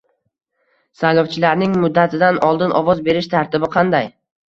Saylovchilarning muddatidan oldin ovoz berish tartibi qanday?